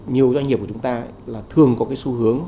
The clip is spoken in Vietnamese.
nhiều doanh nghiệp của chúng ta là thường có cái xu hướng